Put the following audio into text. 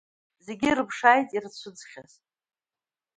Зегьы ирыԥшааит ирцәыӡхьаз.